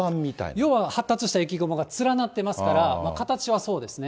要は発達した雪雲が連なってますから、形はそうですね。